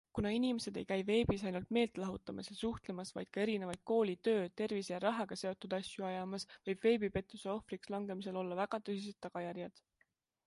Kuna inimesed ei käi veebis ainult meelt lahutamas ja suhtlemas, vaid ka erinevaid kooli, töö, tervise ja rahaga seotud asju ajamas, võib veebipettuse ohvriks langemisel olla väga tõsised tagajärjed.